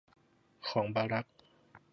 ของบารัค